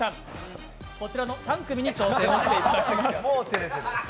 こちらの３組に挑戦していただきます。